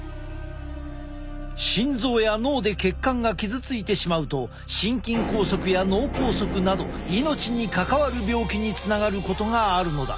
心臓や脳で血管が傷ついてしまうと心筋梗塞や脳梗塞など命に関わる病気につながることがあるのだ。